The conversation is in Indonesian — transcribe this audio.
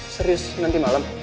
serius nanti malem